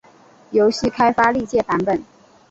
游戏开发历届版本